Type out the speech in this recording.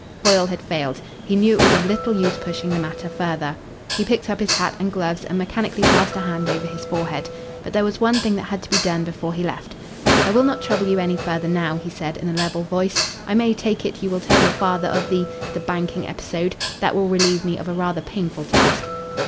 Foyle had failed. He knew it was of little use pushing the matter further. He picked up his hat and gloves and mechanically passed a hand over his forehead. But there was one thing that had to be done before he left. "I will not trouble you any further now," he said in a level voice. "I may take it you will tell your father of the the banking episode. That will relieve me of a rather painful task."